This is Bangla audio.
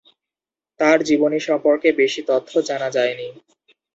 তার জীবনী সম্পর্কে বেশি তথ্য জানা যায়নি।